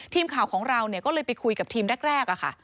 ทีมข่าวของเราก็เลยไปคุยกับทีมแรกค่ะ